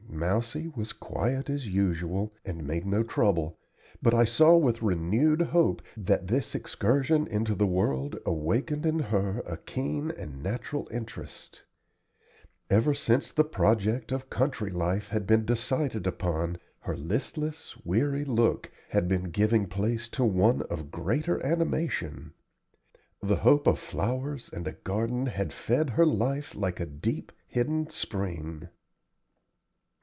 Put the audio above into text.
Mousie was quiet as usual, and made no trouble, but I saw with renewed hope that this excursion into the world awakened in her a keen and natural interest. Ever since the project of country life had been decided upon, her listless, weary look had been giving place to one of greater animation. The hope of flowers and a garden had fed her life like a deep, hidden spring.